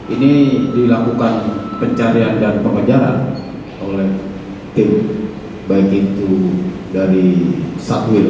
ini dilakukan pencarian dan pengejaran oleh tim baik itu dari satwil